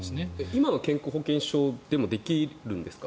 今の健康保険証でもできるんですか？